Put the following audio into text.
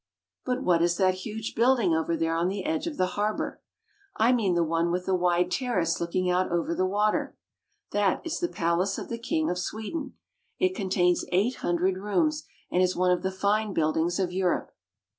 But what is that huge building over there on the edge of the harbor ? I mean the one with the wide terrace looking out over the water. That is the palace of the king of Sweden. It contains eight hundred rooms, and is one of the fine buildings of Europe.